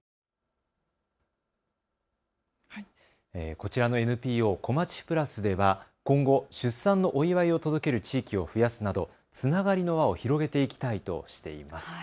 こちらのＮＰＯこまちぷらすでは今後、出産のお祝いを届ける地域を増やすなどつながりの輪を広げていきたいとしています。